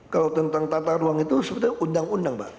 kalau tentang tata ruang itu sebetulnya undang undang pak